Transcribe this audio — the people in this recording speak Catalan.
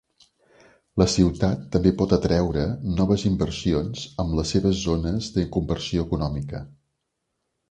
La ciutat també pot atreure noves inversions amb les seves zones de conversió econòmica.